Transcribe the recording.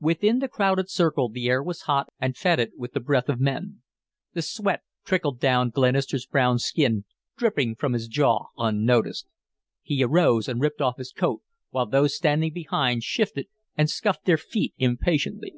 Within the crowded circle the air was hot and fetid with the breath of men. The sweat trickled down Glenister's brown skin, dripping from his jaw unnoticed. He arose and ripped off his coat, while those standing behind shifted and scuffed their feet impatiently.